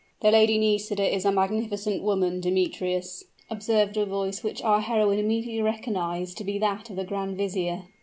"The Lady Nisida is a magnificent woman, Demetrius," observed a voice which our heroine immediately recognized to be that of the grand vizier.